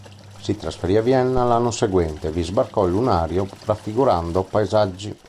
Si trasferì a Vienna l'anno seguente, e vi sbarcò il lunario raffigurando paesaggi.